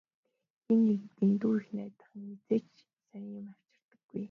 Хэн нэгэнд дэндүү их найдах нь хэзээ ч сайн юм авчирдаггүй.